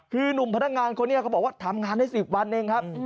คือหนุ่มพนักงานคนนี้เขาบอกว่าทำงานได้๑๐วันเองครับ